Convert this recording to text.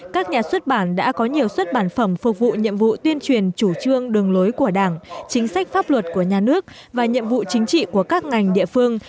các nhà xuất bản đã có nhiều xuất bản phẩm phục vụ nhiệm vụ tuyên truyền chủ trương đường lối của đảng chính sách pháp luật của nhà nước và nhiệm vụ chính trị của các ngành địa phương